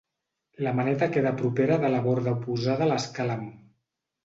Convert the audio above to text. La maneta queda propera de la borda oposada a l'escàlem.